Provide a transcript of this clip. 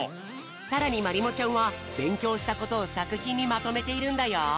さらにまりもちゃんはべんきょうしたことをさくひんにまとめているんだよ。